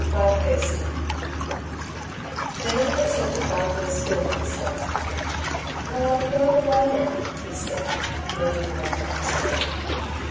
CHAPTER XVII Davey had said good bye to the Schoolmaster. "Well, I'll be going now," he said, moving away clumsily.